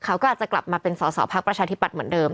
เขาก็อาจจะกลับมาเป็นสอสอพักประชาธิบัตย์เหมือนเดิม